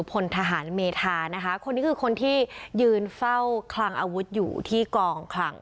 พลทหารเมธานะคะคนนี้คือคนที่ยืนเฝ้าคลังอาวุธอยู่ที่กองคลัง